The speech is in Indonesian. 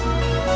terima kasih ya